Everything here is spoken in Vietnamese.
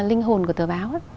linh hồn của tờ báo